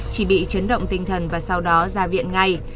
chỉ bị chấn động tinh thần và sau đó ra viện ngay